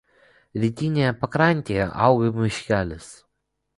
Rytinėje pakrantėje auga miškelis.